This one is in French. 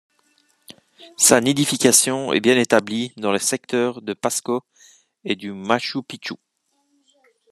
Sa nidification est bien établie dans les secteurs de Pasco et du Machu Picchu.